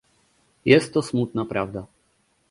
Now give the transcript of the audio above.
Jest to smutna prawda